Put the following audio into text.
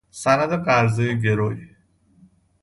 سند قرضه گروی